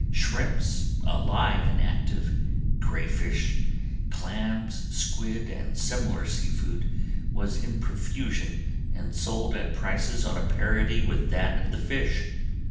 Shrimps, alive and active, crayfish, clams, squid and similar sea food was in profusion and sold at prices on a parity with that of the fish.